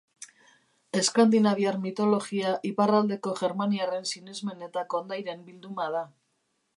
Eskandinaviar mitologia iparraldeko germaniarren sinesmen eta kondairen bilduma da.